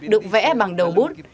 được vẽ bằng đầu bút